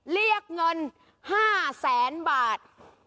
เรียกเงิน๕แสนบาท